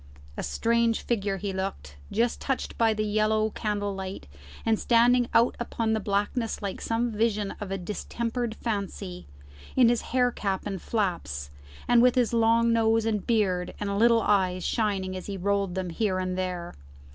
A strange figure he looked, just touched by the yellow candle light, and standing out upon the blackness like some vision of a distempered fancy, in his hair cap and flaps, and with his long nose and beard and little eyes shining as he rolled them here and there.